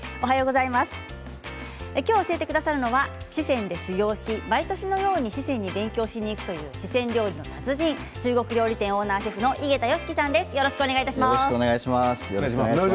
今日、教えてくださるのは四川で修業し毎年のように四川に勉強しに行くという四川料理の達人中国料理店オーナーシェフの井桁良樹さんです。